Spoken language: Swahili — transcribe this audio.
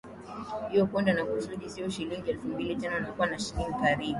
hiyo kwenda na kurudi sio shilingi elfu mbili tena unakuwa ni shilingi karibu